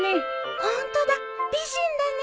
ホントだ美人だね。